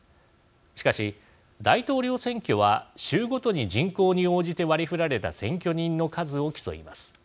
しかし、大統領選挙は州ごとに人口に応じて割りふられた選挙人の数を競います。